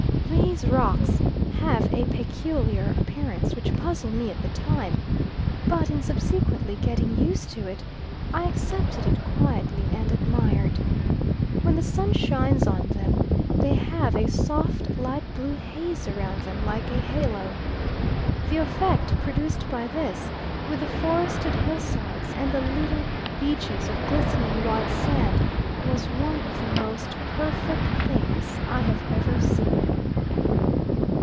These rocks have a peculiar appearance which puzzle me at the time, but in subsequently getting used to it I accepted it quietly and admired. When the sun shines on them they have a soft light blue haze round them, like a halo. The effect produced by this, with the forested hillsides and the little beaches of glistening white sand was one of the most perfect things I have ever seen.